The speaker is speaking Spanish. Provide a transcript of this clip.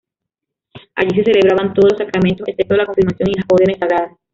Allí se celebraban todos los sacramentos, excepto la confirmación y las órdenes sagradas.